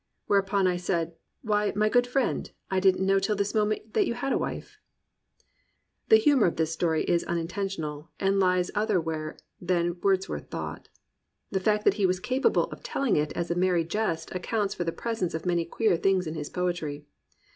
' Where upon I said, *W^hy, my good friend, I didn't know till this moment that you had a wife !'" The hu mour of this story is unintentional and lies other where than Wordsworth thought. The fact that he was capable of telling it as a merry jest accounts for the presence of many queer things in his poetry.